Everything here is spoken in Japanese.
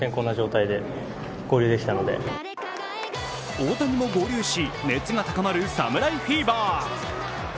大谷も合流し、熱が高まる侍フィーバー。